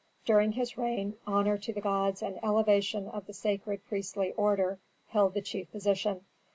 During his reign honor to the gods and elevation of the sacred priestly order held the chief position.